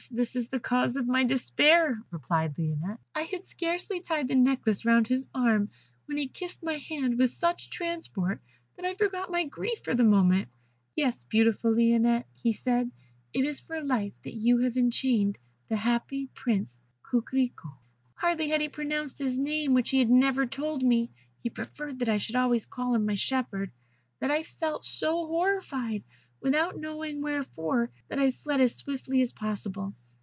this is the cause of my despair," replied Lionette. "I had scarcely tied the necklace round his arm, when he kissed my hand with such transport that I forgot my grief for the moment. 'Yes, beautiful Lionette,' he said, 'it is for life that you have enchained the happy Prince Coquerico.' "Hardly had he pronounced his name, which he had never told me (he preferred that I should always call him my shepherd), than I felt so horrified, without knowing wherefore, that I fled as swiftly as possible.